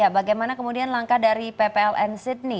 bagaimana kemudian langkah dari ppln sydney